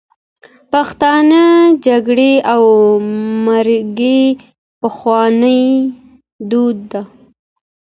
پښتانه جرګی او مرکی پخواني دود ده